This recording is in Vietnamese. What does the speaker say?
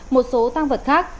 một số tang vật khác